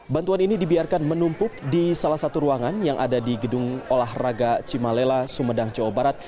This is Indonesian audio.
bantuan ini dibiarkan menumpuk di salah satu ruangan yang ada di gedung olahraga cimalela sumedang jawa barat